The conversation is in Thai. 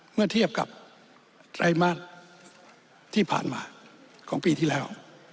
เมื่อเทียบกับไตรมาสที่ผ่านมาของปีที่แล้ว